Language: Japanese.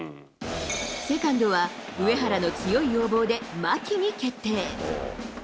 セカンドは、上原の強い要望で牧に決定。